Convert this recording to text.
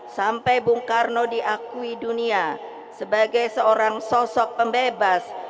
sampai bung karno diakui dunia sebagai seorang sosok pembebas